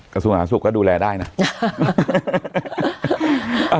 กระทรุณสุขราก็ดูแลได้นะ